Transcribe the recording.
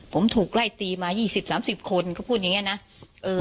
ผมถูกไล่ตีมายี่สิบสามสิบคนเขาพูดอย่างเงี้นะเออ